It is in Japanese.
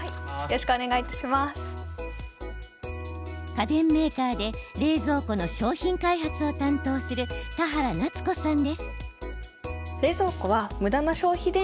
家電メーカーで冷蔵庫の商品開発を担当する田原奈津子さんです。